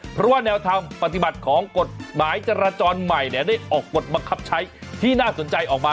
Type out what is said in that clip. เพราะว่าแนวทางปฏิบัติของกฎหมายจราจรใหม่ได้ออกกฎบังคับใช้ที่น่าสนใจออกมา